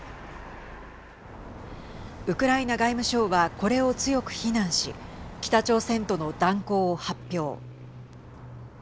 ウクライナ外務省はこれを強く非難し北朝鮮との断交を発表。